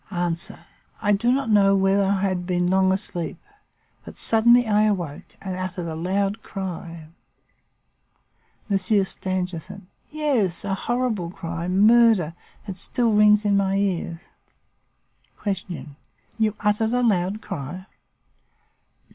"A. I do not know whether I had been long asleep, but suddenly I awoke and uttered a loud cry. "M. Stangerson. Yes a horrible cry 'Murder!' It still rings in my ears. "Q. You uttered a loud cry?